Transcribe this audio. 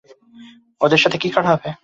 ওদের সাথে কী করা হবে?